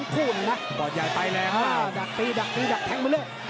เกี่ยวร่าง